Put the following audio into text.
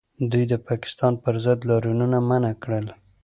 دوی د پاکستان پر ضد لاریونونه منع کړل